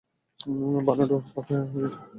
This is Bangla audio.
বার্নার্ডো ভাবে আমি একটা শিশু।